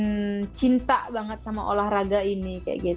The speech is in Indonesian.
mencinta banget sama olahraga ini